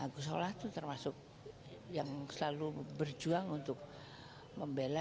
gusola itu termasuk yang selalu berjuang untuk membela